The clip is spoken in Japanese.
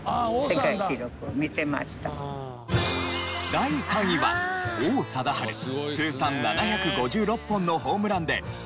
第３位は王貞治通算７５６本のホームランで世界記録。